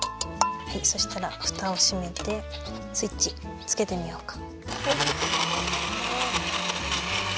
そしたらふたをしめてスイッチつけてみようか。